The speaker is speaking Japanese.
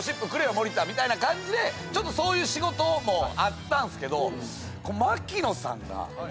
森田みたいな感じでそういう仕事もあったんすけど。